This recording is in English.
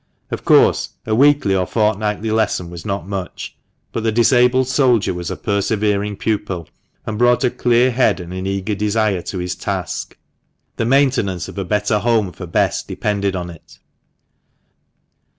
Of course, a weekly or fortnightly lesson was not much ; but the disabled soldier was a persevering pupil, and brought a clear head and an eager desire to his task. The maintenance of a better home for Bess depended on it.